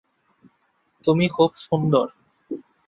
তুমি খুব সুন্দর।